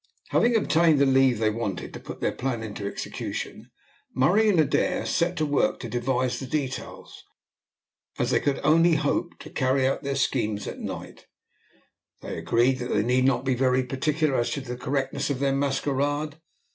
Having obtained the leave they wanted to put their plan into execution, Murray and Adair set to work to devise the details. As they could only hope to carry out their scheme at night, they agreed that they need not be very particular as to the correctness of their masquerade.